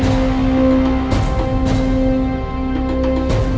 ที่สุดท้ายที่สุดท้าย